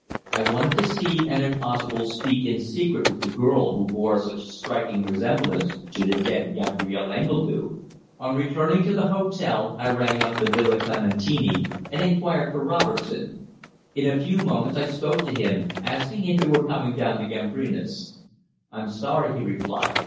I wanted to see, and if possible speak in secret with the girl who bore such a striking resemblance to the dead Gabrielle Engledue. On returning to the hotel I rang up the Villa Clementini and inquired for Robertson. In a few moments I spoke to him, asking if he were coming down to the Gambrinus. "I'm sorry," he replied.